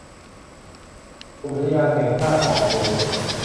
อุทยานแห่งชาติออบหลวง